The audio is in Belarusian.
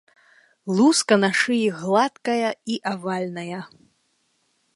Луска на шыі гладкая і авальная.